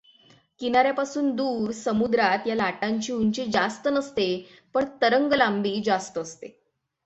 किनाऱ्यापासून दूर समुद्रात या लाटांची उंची जास्त नसते पण तरंगलांबी जास्त असते.